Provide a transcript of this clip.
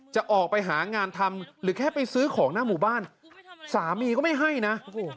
จะออกไปหางานทำหรือแค่ไปซื้อของหน้าหมู่บ้านสามีก็ไม่ให้นะ